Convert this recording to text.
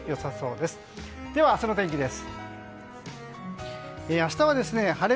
では明日の天気です。